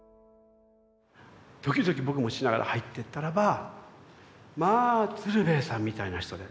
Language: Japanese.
ドキドキ僕もしながら入ってったらばまあ鶴瓶さんみたいな人で。